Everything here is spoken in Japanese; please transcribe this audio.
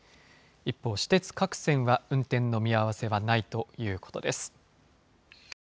一方、私鉄各線は、運転の見合わせはないということです。